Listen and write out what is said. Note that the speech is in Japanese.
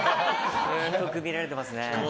低く見られてますね。